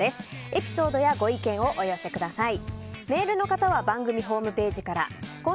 エピソードやご意見をお寄せください。